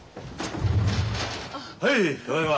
はいただいま。